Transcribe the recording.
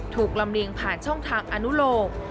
ลำเลียงผ่านช่องทางอนุโลก